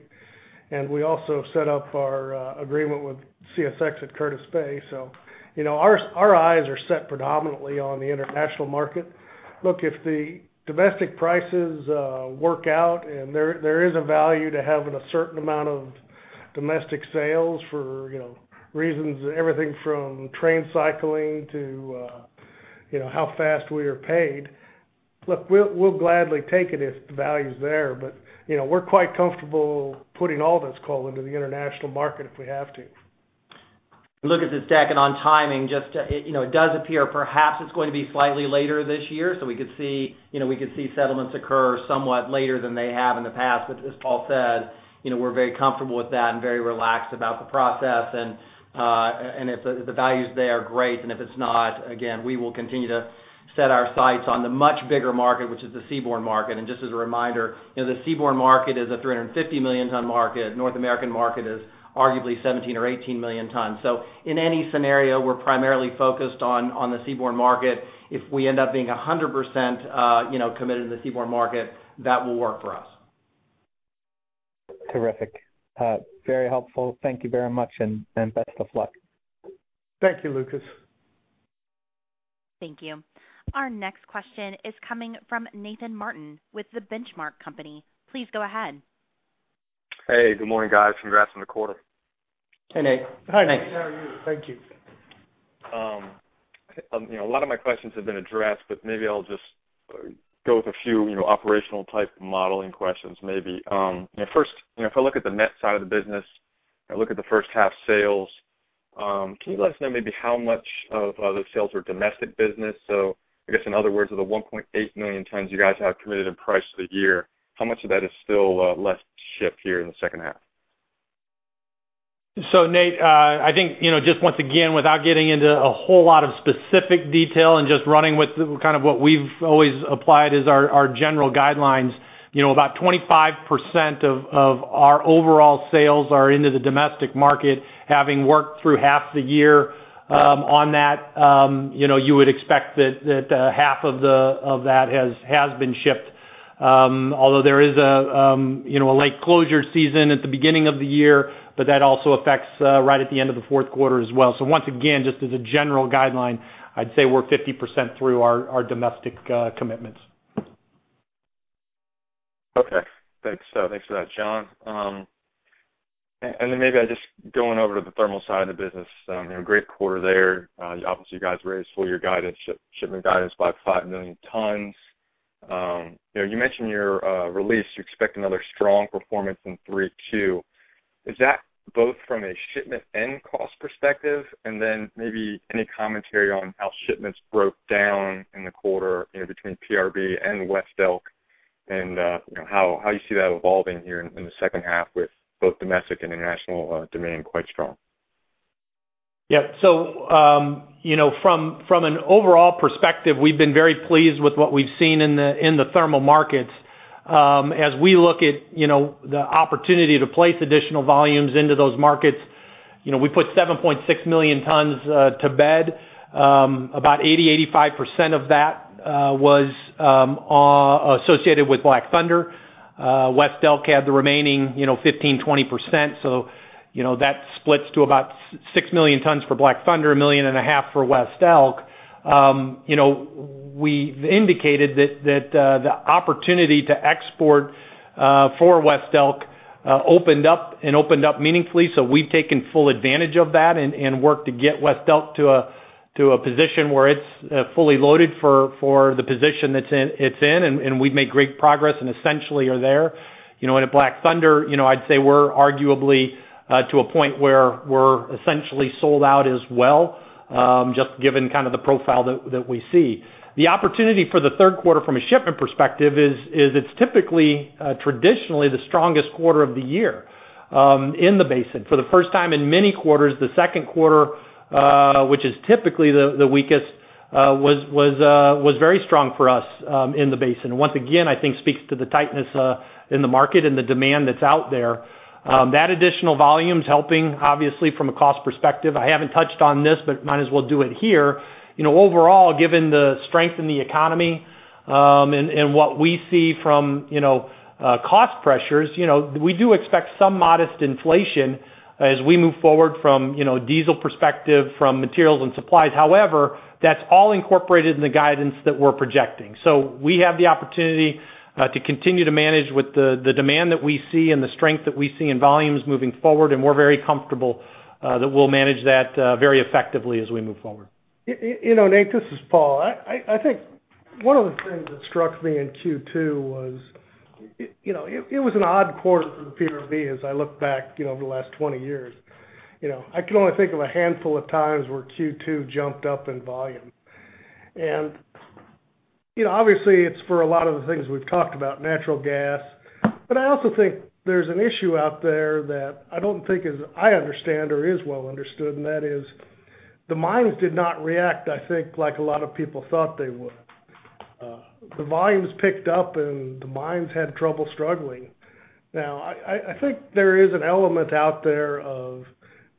and we also set up our agreement with CSX at Curtis Bay. Our eyes are set predominantly on the international market. Look, if the domestic prices work out and there is a value to having a certain amount of domestic sales for reasons, everything from train cycling to how fast we are paid, we'll gladly take it if the value's there, but we're quite comfortable putting all this coal into the international market if we have to. Look at this deck and on timing, it does appear perhaps it's going to be slightly later this year. We could see settlements occur somewhat later than they have in the past. As Paul said, we're very comfortable with that and very relaxed about the process. If the value is there, great. If it's not, again, we will continue to set our sights on the much bigger market, which is the seaborne market. Just as a reminder, the seaborne market is a 350 million ton market. North American market is arguably 17 or 18 million tons. In any scenario, we're primarily focused on the seaborne market. If we end up being 100% committed in the seaborne market, that will work for us. Terrific. Very helpful. Thank you very much, and best of luck. Thank you, Lucas. Thank you. Our next question is coming from Nathan Martin with The Benchmark Company. Please go ahead. Hey, good morning, guys. Congrats on the quarter. Hey, Nate. Hi, Nate. How are you? Thank you. A lot of my questions have been addressed, but maybe I'll just go with a few operational type modeling questions. First, if I look at the net side of the business, I look at the first half sales. Can you let us know maybe how much of the sales are domestic business? I guess in other words, of the 1.8 million tons you guys have committed in price for the year, how much of that is still left to ship here in the second half? Nate, I think just once again, without getting into a whole lot of specific detail and just running with kind of what we've always applied as our general guidelines. About 25% of our overall sales are into the domestic market. Having worked through half the year on that, you would expect that half of that has been shipped. Although there is a lake closure season at the beginning of the year, that also affects right at the end of the fourth quarter as well. Once again, just as a general guideline, I'd say we're 50% through our domestic commitments. Okay. Thanks. Thanks for that, John. Then maybe just going over to the thermal side of the business. Great quarter there. Obviously, you guys raised full year shipment guidance by 5 million tons. You mentioned your release, you expect another strong performance in Q3, Q2. Is that both from a shipment and cost perspective? Then maybe any commentary on how shipments broke down in the quarter between PRB and West Elk. How you see that evolving here in the second half with both domestic and international demand quite strong? Yeah. From an overall perspective, we've been very pleased with what we've seen in the thermal markets. As we look at the opportunity to place additional volumes into those markets, we put 7.6 million tons to bed. About 80%-85% of that was associated with Black Thunder. West Elk had the remaining 15%-20%. That splits to about 6 million tons for Black Thunder, 1.5 million tons for West Elk. We've indicated that the opportunity to export for West Elk opened up and opened up meaningfully. We've taken full advantage of that and worked to get West Elk to a position where it's fully loaded for the position it's in, and we've made great progress and essentially are there. At Black Thunder, I'd say we're arguably to a point where we're essentially sold out as well, just given kind of the profile that we see. The opportunity for the third quarter from a shipment perspective is it's typically traditionally the strongest quarter of the year in the basin. For the first time in many quarters, the second quarter which is typically the weakest was very strong for us in the basin. Once again, I think speaks to the tightness in the market and the demand that's out there. That additional volume is helping obviously from a cost perspective. I haven't touched on this, might as well do it here. Overall, given the strength in the economy, what we see from cost pressures, we do expect some modest inflation as we move forward from diesel perspective, from materials and supplies. However, that's all incorporated in the guidance that we're projecting. We have the opportunity to continue to manage with the demand that we see and the strength that we see in volumes moving forward, and we're very comfortable that we'll manage that very effectively as we move forward. Nate, this is Paul. I think one of the things that struck me in Q2 was it was an odd quarter for the PRB as I look back over the last 20 years. I can only think of a handful of times where Q2 jumped up in volume. Obviously it's for a lot of the things we've talked about, natural gas. I also think there's an issue out there that I don't think I understand or is well understood, and that is the mines did not react, I think like a lot of people thought they would. The volumes picked up, and the mines had trouble struggling. I think there is an element out there of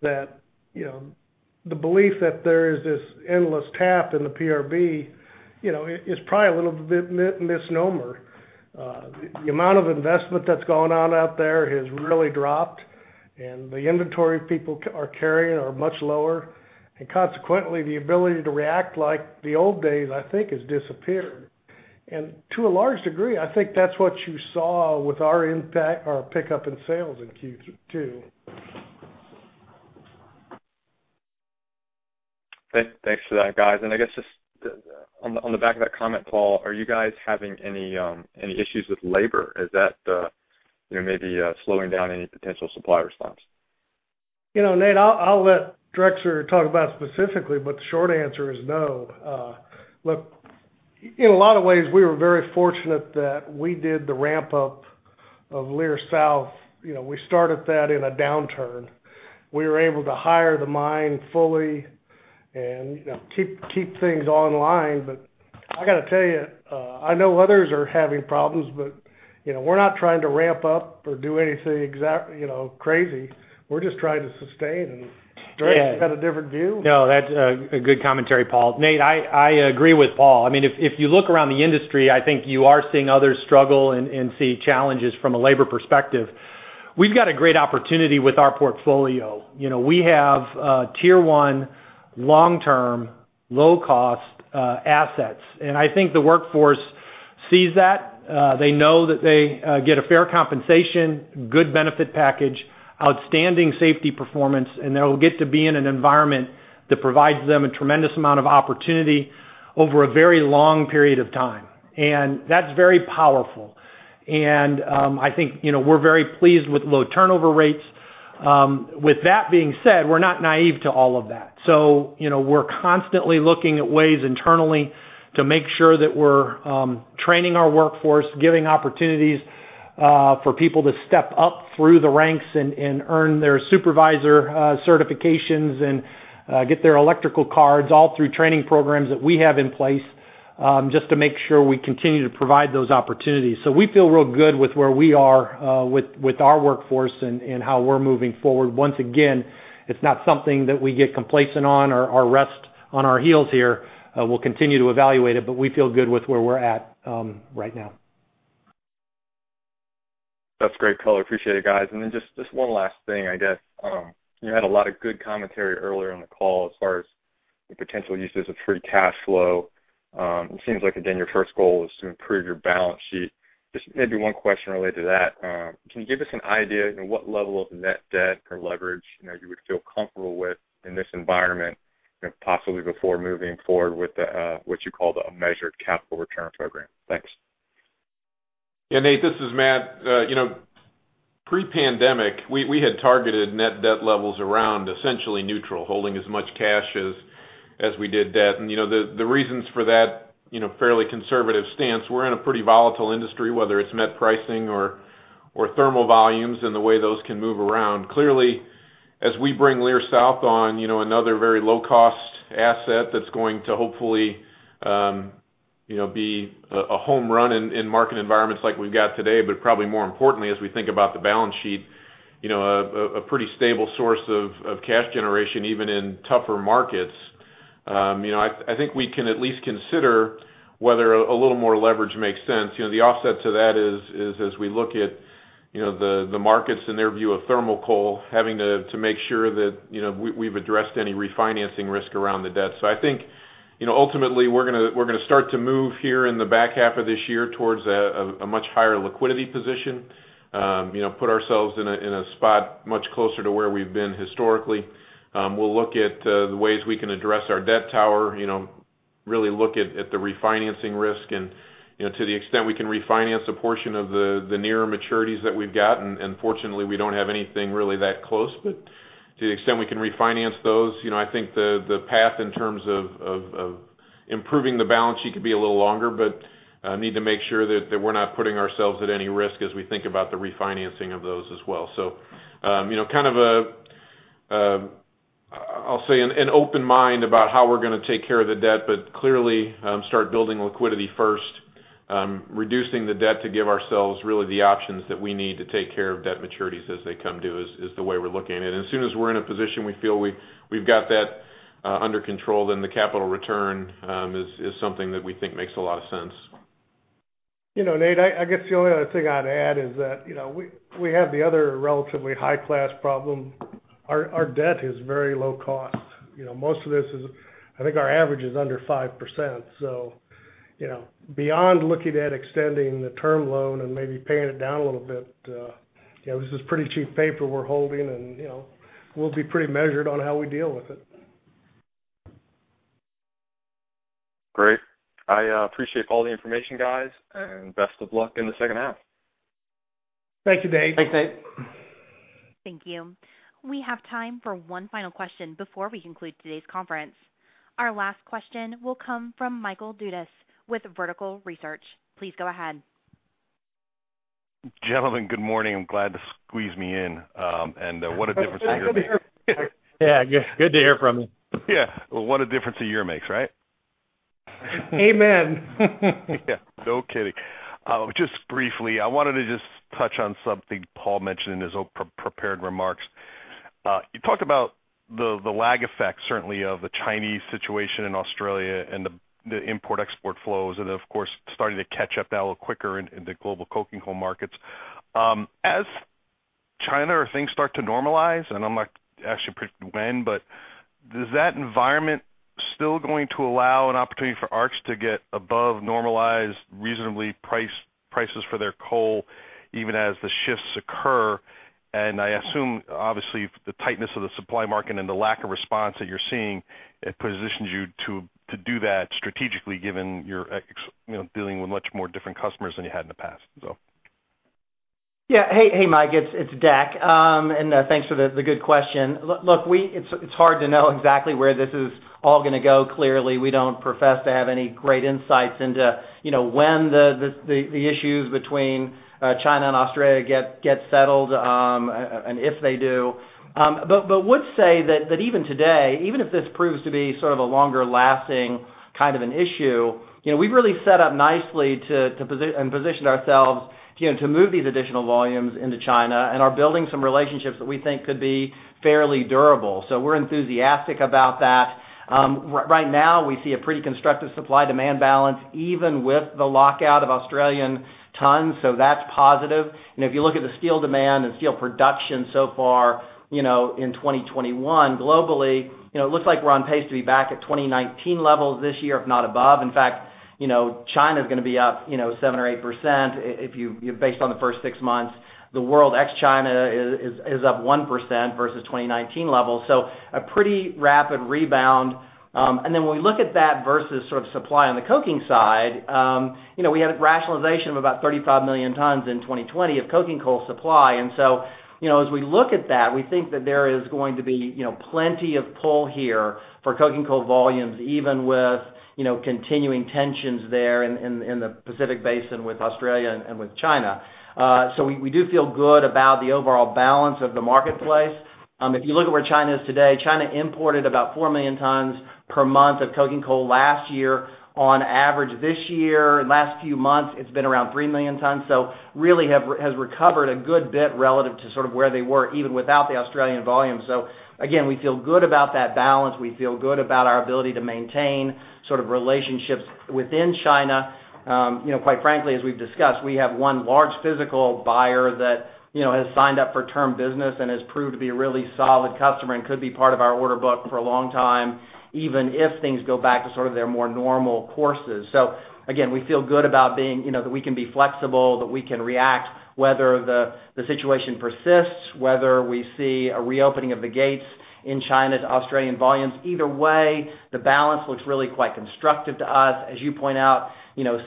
that the belief that there is this endless tap in the PRB is probably a little bit misnomer. The amount of investment that's going on out there has really dropped, and the inventory people are carrying are much lower. Consequently, the ability to react like the old days, I think, has disappeared. To a large degree, I think that's what you saw with our impact, our pickup in sales in Q2. Thanks for that, guys. I guess just on the back of that comment, Paul, are you guys having any issues with labor? Is that maybe slowing down any potential supply response? Nate, I'll let Drexler talk about it specifically, but the short answer is no. Look, in a lot of ways, we were very fortunate that we did the ramp-up of Leer South. We started that in a downturn. We were able to hire the mine fully and keep things online. I got to tell you, I know others are having problems, but we're not trying to ramp up or do anything crazy. We're just trying to sustain. Drex, you got a different view? No, that's a good commentary, Paul. Nate, I agree with Paul. If you look around the industry, I think you are seeing others struggle and see challenges from a labor perspective. We've got a great opportunity with our portfolio. We have Tier 1 long-term low-cost assets, and I think the workforce sees that. They know that they get a fair compensation, good benefit package, outstanding safety performance, and they'll get to be in an environment that provides them a tremendous amount of opportunity over a very long period of time. That's very powerful. I think we're very pleased with low turnover rates. With that being said, we're not naive to all of that. We're constantly looking at ways internally to make sure that we're training our workforce, giving opportunities for people to step up through the ranks and earn their supervisor certifications and get their electrical cards all through training programs that we have in place, just to make sure we continue to provide those opportunities. We feel real good with where we are with our workforce and how we're moving forward. Once again, it's not something that we get complacent on or rest on our heels here. We'll continue to evaluate it, but we feel good with where we're at right now. That's great color. Appreciate it, guys. Then just one last thing, I guess. You had a lot of good commentary earlier in the call as far as the potential uses of free cash flow. It seems like, again, your first goal is to improve your balance sheet. Just maybe one question related to that. Can you give us an idea what level of net debt or leverage you would feel comfortable with in this environment, possibly before moving forward with what you call the measured capital return program? Thanks. Yeah, Nate, this is Matt. Pre-pandemic, we had targeted net debt levels around essentially neutral, holding as much cash as we did debt. The reasons for that fairly conservative stance, we're in a pretty volatile industry, whether it's net pricing or thermal volumes and the way those can move around. Clearly, as we bring Leer South on, another very low-cost asset that's going to hopefully be a home run in market environments like we've got today, but probably more importantly, as we think about the balance sheet, a pretty stable source of cash generation even in tougher markets. I think we can at least consider whether a little more leverage makes sense. The offset to that is as we look at the markets and their view of thermal coal, having to make sure that we've addressed any refinancing risk around the debt. I think ultimately we're going to start to move here in the back half of this year towards a much higher liquidity position. Put ourselves in a spot much closer to where we've been historically. We'll look at the ways we can address our debt tower, really look at the refinancing risk and to the extent we can refinance a portion of the nearer maturities that we've got. Fortunately, we don't have anything really that close, but to the extent we can refinance those, I think the path in terms of improving the balance sheet could be a little longer, but need to make sure that we're not putting ourselves at any risk as we think about the refinancing of those as well. Kind of a, I'll say, an open mind about how we're going to take care of the debt, but clearly start building liquidity first, reducing the debt to give ourselves really the options that we need to take care of debt maturities as they come due is the way we're looking at it. As soon as we're in a position we feel we've got that under control, then the capital return is something that we think makes a lot of sense. Nate, I guess the only other thing I'd add is that we have the other relatively high-class problem. Our debt is very low cost. Most of this is, I think, our average is under 5%. Beyond looking at extending the term loan and maybe paying it down a little bit, this is pretty cheap paper we're holding and we'll be pretty measured on how we deal with it. Great. I appreciate all the information, guys, and best of luck in the second half. Thank you, Nate. Thanks, Nate. Thank you. We have time for one final question before we conclude today's conference. Our last question will come from Michael Dudas with Vertical Research. Please go ahead. Gentlemen, good morning. I'm glad to squeeze me in, and what a difference a year. Yeah, good to hear from you. Yeah. Well, what a difference a year makes, right? Amen. Yeah, no kidding. Just briefly, I wanted to just touch on something Paul mentioned in his prepared remarks. You talked about the lag effect, certainly of the Chinese situation in Australia and the import/export flows and of course, starting to catch up that little quicker in the global coking coal markets. As China or things start to normalize, and I'm not asking when, but does that environment still going to allow an opportunity for Arch to get above normalized, reasonably priced prices for their coal even as the shifts occur? I assume, obviously, the tightness of the supply market and the lack of response that you're seeing, it positions you to do that strategically given you're dealing with much more different customers than you had in the past, so. Yeah. Hey, Michael, it's Deck. Thanks for the good question. Look, it's hard to know exactly where this is all gonna go. Clearly, we don't profess to have any great insights into when the issues between China and Australia get settled, and if they do. Would say that even today, even if this proves to be sort of a longer-lasting kind of an issue, we've really set up nicely and positioned ourselves to move these additional volumes into China and are building some relationships that we think could be fairly durable. We're enthusiastic about that. Right now, we see a pretty constructive supply-demand balance, even with the lockout of Australian tons, so that's positive. If you look at the steel demand and steel production so far in 2021, globally, it looks like we're on pace to be back at 2019 levels this year, if not above. In fact, China's gonna be up 7% or 8% based on the first six months. The world ex-China is up 1% versus 2019 levels. A pretty rapid rebound. When we look at that versus sort of supply on the coking side, we had a rationalization of about 35 million tons in 2020 of coking coal supply. As we look at that, we think that there is going to be plenty of pull here for coking coal volumes, even with continuing tensions there in the Pacific Basin with Australia and with China. We do feel good about the overall balance of the marketplace. If you look at where China is today, China imported about 4 million tons per month of coking coal last year. On average this year, last few months, it's been around 3 million tons. Really has recovered a good bit relative to sort of where they were, even without the Australian volume. Again, we feel good about that balance. We feel good about our ability to maintain sort of relationships within China. Quite frankly, as we've discussed, we have one large physical buyer that has signed up for term business and has proved to be a really solid customer and could be part of our order book for a long time, even if things go back to sort of their more normal courses. Again, we feel good about that we can be flexible, that we can react, whether the situation persists, whether we see a reopening of the gates in China's Australian volumes. Either way, the balance looks really quite constructive to us. As you point out,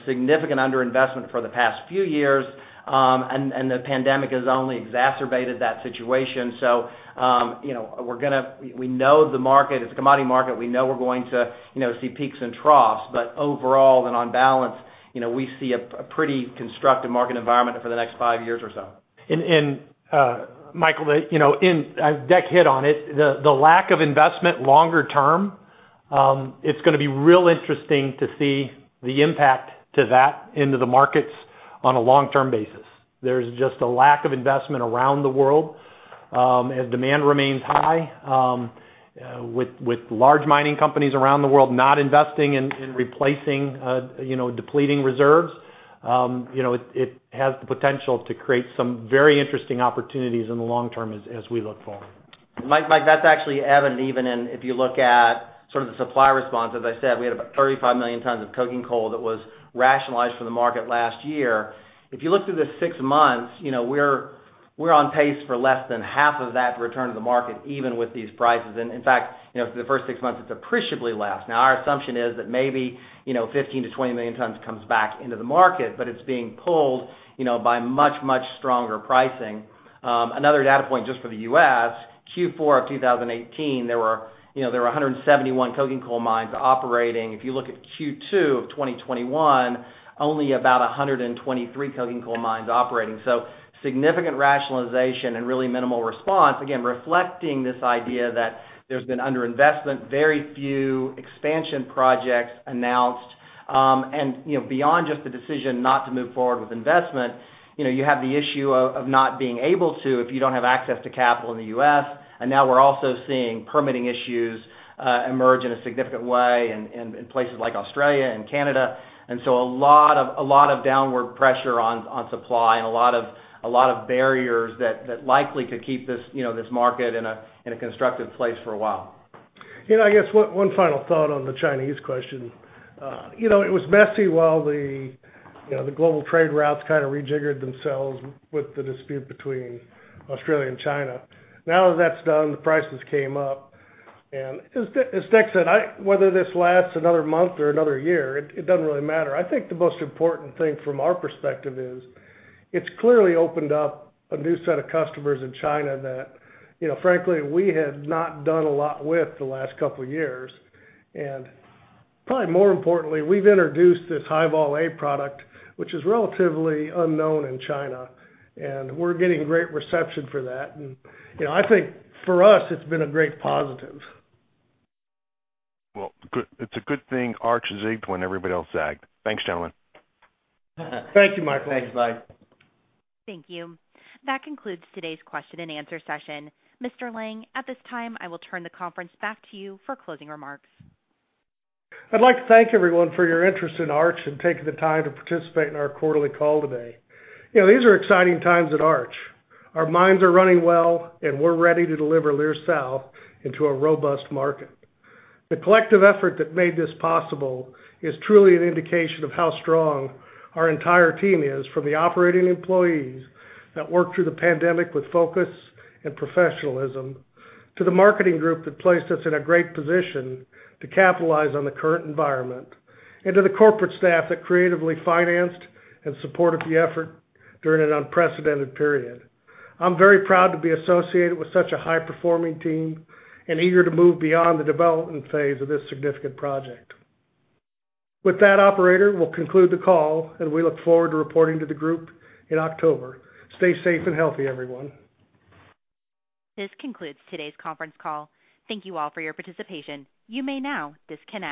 significant under-investment for the past few years, and the pandemic has only exacerbated that situation. We know the market. It's a commodity market. We know we're going to see peaks and troughs, but overall and on balance, we see a pretty constructive market environment for the next five years or so. Michael, as Deck hit on it, the lack of investment longer term, it's gonna be real interesting to see the impact to that into the markets on a long-term basis. There's just a lack of investment around the world. As demand remains high with large mining companies around the world not investing in replacing depleting reserves, it has the potential to create some very interesting opportunities in the long term as we look forward. Mike, that's actually evident even in if you look at sort of the supply response. As I said, we had about 35 million tons of coking coal that was rationalized from the market last year. If you look through the six months, we're on pace for less than half of that to return to the market, even with these prices. In fact, for the first six months, it's appreciably less. Now, our assumption is that maybe 15 million-20 million tons comes back into the market, but it's being pulled by much, much stronger pricing. Another data point just for the U.S., Q4 2018, there were 171 coking coal mines operating. If you look at Q2 2021, only about 123 coking coal mines operating. Significant rationalization and really minimal response, again, reflecting this idea that there's been under-investment. Very few expansion projects announced. Beyond just the decision not to move forward with investment, you have the issue of not being able to if you don't have access to capital in the U.S. Now we're also seeing permitting issues emerge in a significant way in places like Australia and Canada. A lot of downward pressure on supply and a lot of barriers that likely could keep this market in a constructive place for a while. I guess one final thought on the Chinese question. It was messy while the global trade routes kind of rejiggered themselves with the dispute between Australia and China. Now that that's done, the prices came up. As Deck said, whether this lasts another month or another year, it doesn't really matter. I think the most important thing from our perspective is it's clearly opened up a new set of customers in China that, frankly, we had not done a lot with the last couple of years. Probably more importantly, we've introduced this High-Vol A product, which is relatively unknown in China, and we're getting great reception for that. I think for us, it's been a great positive. Well, it's a good thing Arch zigged when everybody else zagged. Thanks, gentlemen. Thank you, Michael. Thanks, Mike. Thank you. That concludes today's question and answer session. Mr. Lang, at this time, I will turn the conference back to you for closing remarks. I'd like to thank everyone for your interest in Arch and taking the time to participate in our quarterly call today. These are exciting times at Arch. Our mines are running well, and we're ready to deliver Leer South into a robust market. The collective effort that made this possible is truly an indication of how strong our entire team is, from the operating employees that worked through the pandemic with focus and professionalism, to the marketing group that placed us in a great position to capitalize on the current environment, and to the corporate staff that creatively financed and supported the effort during an unprecedented period. I'm very proud to be associated with such a high-performing team and eager to move beyond the development phase of this significant project. With that, operator, we'll conclude the call, and we look forward to reporting to the group in October. Stay safe and healthy, everyone. This concludes today's conference call. Thank you all for your participation. You may now disconnect.